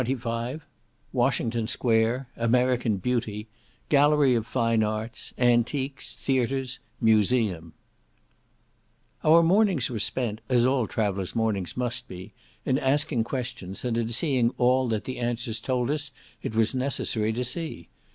CHAPTER XXV Washington Square—American Beauty—Gallery of Fine Arts—Antiques—Theatres—Museum Our mornings were spent, as all travellers' mornings must be, in asking questions, and in seeing all that the answers told us it was necessary to see.